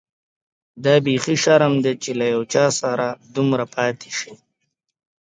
دا بيخي شرم دی چي له یو چا سره دومره پاتې شې.